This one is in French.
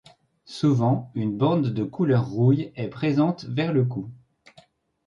Souvent une bande de couleur rouille est présente vers le cou.